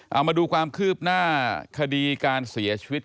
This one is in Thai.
เอามาดูความคืบหน้าคดีการเสียชีวิต